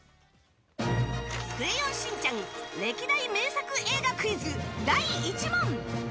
「クレヨンしんちゃん」歴代名作映画クイズ、第１問。